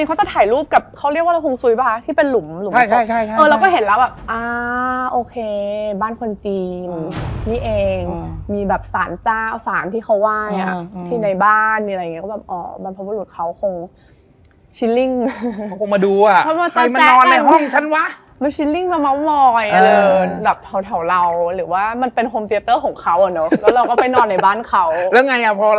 ก็รู้สึกใหม่ว่าแบบรู้สึกไม่สบายตัวอีกรอบหนึ่ง